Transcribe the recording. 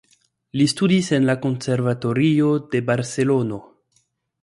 Li studis en la Konservatorio de Barcelono.